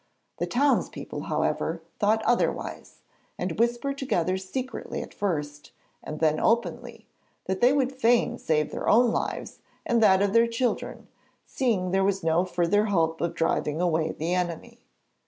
The townspeople, however, thought otherwise, and whispered together secretly at first, and then openly, that they would fain save their own lives and that of their children, seeing there was no further hope of driving away the enemy.